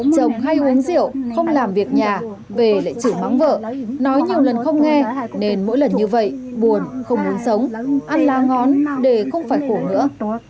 chồng hay uống rượu không làm việc nhà về lại chửi mắng vợ nói nhiều lần không nghe nên mỗi lần như vậy buồn không muốn sống ăn lá ngón để không phải khổ nữa